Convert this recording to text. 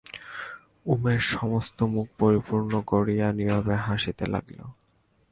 উমেশ সমস্ত মুখ পরিপূর্ণ করিয়া নীরবে হাসিতে লাগিল।